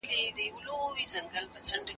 د خاوند خدمت کول د ميرمني مسئوليت دی.